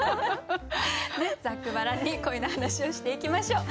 ざっくばらんに恋の話をしていきましょう。